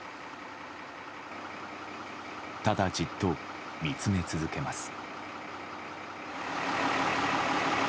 ただじっと見つめ続けます。